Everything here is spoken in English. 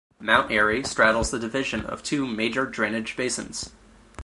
Mount Airy straddles the division of two major drainage basins.